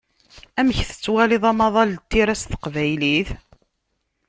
Amek tettwaliḍ amaḍal n tira s teqbaylit?